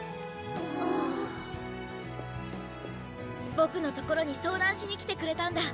ボクのところに相談しに来てくれたんだ。